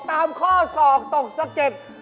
ตามข้อศอกตกสะเก็ด